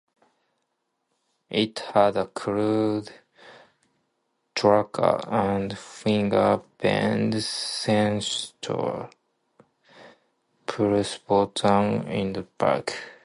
It had a crude tracker and finger bend sensors, plus buttons on the back.